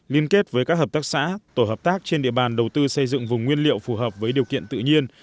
liên kết với các hợp tác xã tổ hợp tác trên địa bàn đầu tư xây dựng vùng nguyên liệu phù hợp với điều kiện tự nhiên